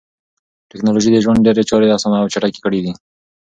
ټکنالوژي د ژوند ډېری چارې اسانه او چټکې کړې دي.